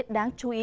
đáng chú ý